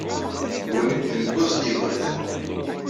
Ggunin-ten kuẓ n yigerdan.